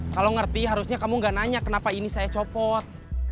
kalau ngerti harusnya kamu gak nanya kenapa ini saya copot